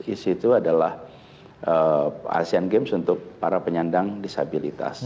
isi itu adalah asean games untuk para penyandang disabilitas